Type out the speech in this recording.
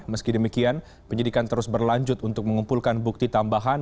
meski demikian penyidikan terus berlanjut untuk mengumpulkan bukti tambahan